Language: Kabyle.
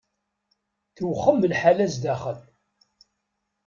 Tewxem lḥala sdaxel.